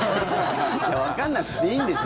わかんなくていいんですよ。